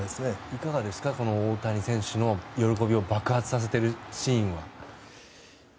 いかがですか、大谷選手の喜びを爆発させてるシーンは。